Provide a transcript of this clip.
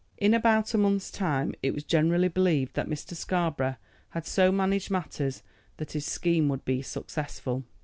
In about a month's time it was generally believed that Mr. Scarborough had so managed matters that his scheme would be successful.